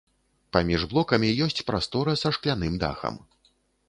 Паміж блокамі ёсць прастора са шкляным дахам.